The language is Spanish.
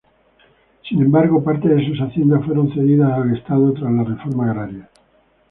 Sin embargo, parte de sus haciendas fueron cedidas al Estado tras la reforma agraria.